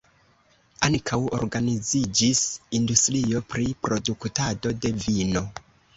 Ankaŭ organiziĝis industrio pri produktado de vino.